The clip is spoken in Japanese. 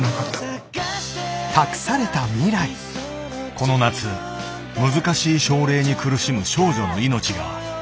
この夏難しい症例に苦しむ少女の命が託された。